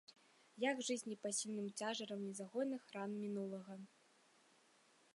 Як жыць з непасільным цяжарам незагойных ран мінулага?